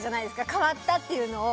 変わったっていうのを。